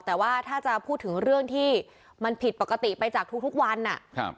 แต่ว่าถ้าจะพูดถึงเรื่องที่มันผิดปกติไปจากทุกทุกวันอ่ะครับ